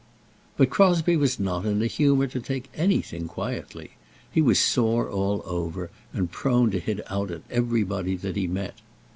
But Crosbie was not in a humour to take anything quietly. He was sore all over, and prone to hit out at everybody that he met.